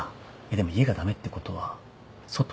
でも家が駄目ってことは外？